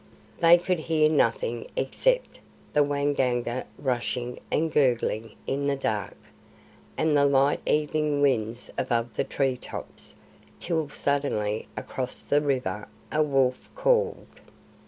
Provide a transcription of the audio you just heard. They could hear nothing except the Waingunga rushing and gurgling in the dark, and the light evening winds among the tree tops, till suddenly across the river a wolf called.